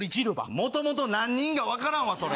もともと何人か分からんわ、それ。